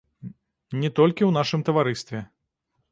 Не толькі ў нашым таварыстве.